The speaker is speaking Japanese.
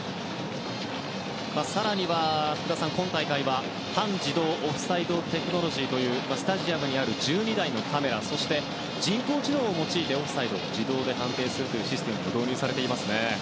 更には、福田さん今大会は半自動オフサイドラインテクノロジーというスタジアムにある１２台のカメラそして人工知能を用いてオフサイドを自動で判定するシステムが導入されていますね。